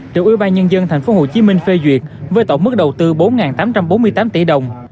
được ubnd tp hcm phê duyệt với tổng mức đầu tư bốn tám trăm bốn mươi tám tỷ đồng